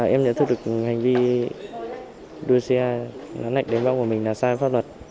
em nhận thức được hành vi đối xe lạng lách đánh võng của mình là sai pháp luật